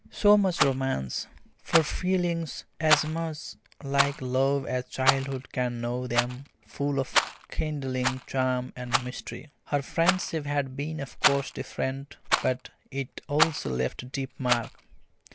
So much for romance, for feelings as much like love as childhood can know them, full of kindling charm and mystery. Her friendship had been of course different, but it also left deep mark.